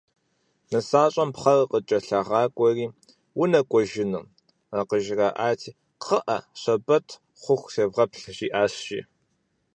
Нысащӏэм пхъэр къыкӏэлъагъакӏуэри «унэкӏуэжыну?» къыжыраӏати, «Кхъыӏэ, щэбэт хъуху севгъэплъ», жиӏащ жи.